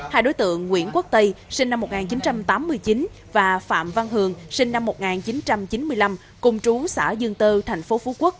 hai đối tượng nguyễn quốc tây sinh năm một nghìn chín trăm tám mươi chín và phạm văn hường sinh năm một nghìn chín trăm chín mươi năm cùng trú xã dương tơ tp phú quốc